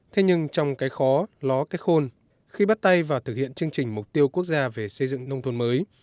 thế nhưng trong cái khó ló cái khôn khi bắt tay vào thực hiện chương trình mục tiêu quốc gia về xây dựng nông thôn mới